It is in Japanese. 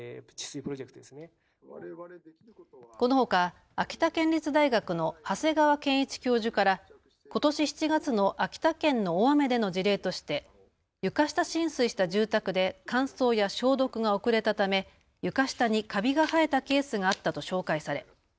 このほか秋田県立大学の長谷川兼一教授からことし７月の秋田県の大雨での事例として床下浸水した住宅で乾燥や消毒が遅れたため床下にかびが生えたケースがあったと紹介され